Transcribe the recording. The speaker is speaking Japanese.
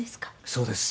そうです。